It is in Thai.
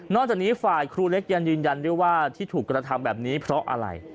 จากนี้ฝ่ายครูเล็กยังยืนยันด้วยว่าที่ถูกกระทำแบบนี้เพราะอะไร